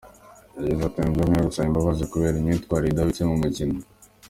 Yagize ati “Nibyo nkwiye gusaba imbabazi kubera imyitwarire idahwitse mu mukino.